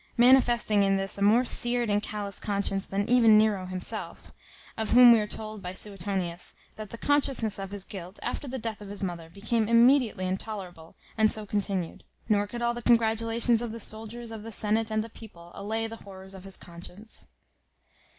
manifesting in this a more seared and callous conscience than even Nero himself; of whom we are told by Suetonius, "that the consciousness of his guilt, after the death of his mother, became immediately intolerable, and so continued; nor could all the congratulations of the soldiers, of the senate, and the people, allay the horrors of his conscience."